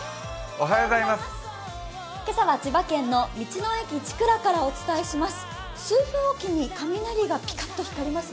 今朝は千葉県の道の駅ちくらからお伝えします。